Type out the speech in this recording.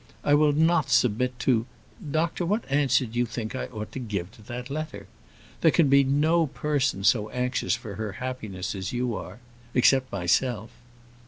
I will not submit to Doctor, what answer do you think I ought to give to that letter? There can be no person so anxious for her happiness as you are except myself."